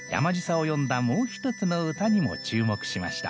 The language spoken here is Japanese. もう一つの歌にも注目しました。